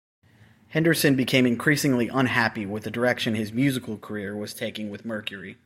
Henderson became increasingly unhappy with the direction his musical career was taking with Mercury.